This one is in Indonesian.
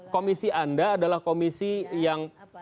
komisi anda adalah komisi yang